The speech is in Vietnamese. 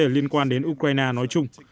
liên quan đến ukraine nói chung